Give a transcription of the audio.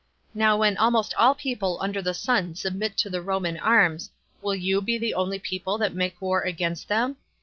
Now when almost all people under the sun submit to the Roman arms, will you be the only people that make war against them?